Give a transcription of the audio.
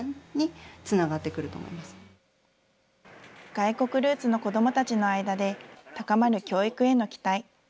外国ルーツの子どもたちの間で高まる教育への期待。